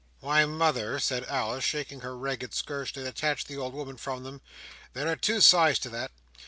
"Why, mother!" said Alice, shaking her ragged skirts to detach the old woman from them: "there are two sides to that.